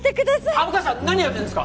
虻川さん何やってんですか。